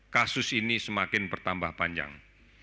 kasus ini semakin bertambah panjang